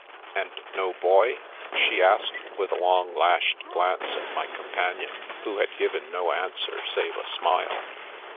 "And no boy?" she asked, with a long lashed glance at my companion, who had given no answer save a smile.